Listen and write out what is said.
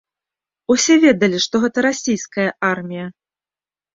Усе ведалі, што гэта расійская армія.